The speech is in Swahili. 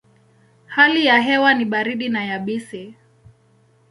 Hali ya hewa ni baridi na yabisi.